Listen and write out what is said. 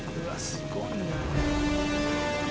すごいな。